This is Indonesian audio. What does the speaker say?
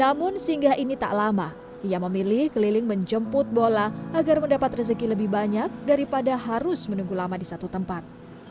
namun singgah ini tak lama ia memilih keliling menjemput bola agar mendapat rezeki lebih banyak daripada harus menunggu lama di satu tempat